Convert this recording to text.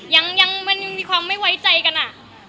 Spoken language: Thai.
ยังมีความไม่ไว้ใจกันอะ